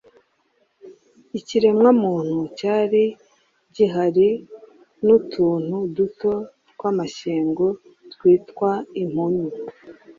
ikiremwa muntu cyari gihari n’utuntu duto tw’amashyengo twitwa impunyu